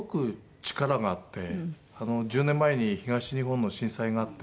１０年前に東日本の震災があって。